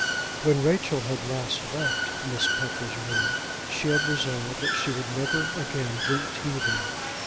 When Rachel had last left Miss Pucker's room she had resolved that she would never again drink tea there.